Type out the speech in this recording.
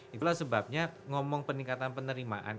itulah sebabnya ngomong peningkatan penerimaan